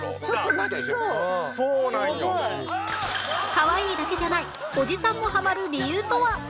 かわいいだけじゃないおじさんもハマる理由とは？